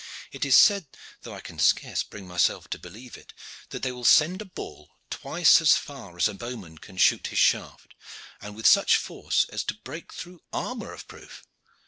"It is said, though I can scarce bring myself to believe it, that they will send a ball twice as far as a bowman can shoot his shaft, and with such force as to break through armor of proof."